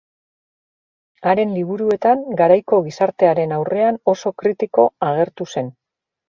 Haren liburuetan garaiko gizartearen aurrean oso kritiko agertu zen.